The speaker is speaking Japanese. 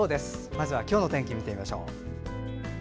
まずは今日の天気を見てみましょう。